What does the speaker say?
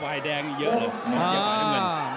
ไฟล์แดงเยอะเลย